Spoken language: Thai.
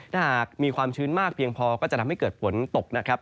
ถ้าหากมีความชื้นมากเพียงพอก็จะทำให้เกิดฝนตกนะครับ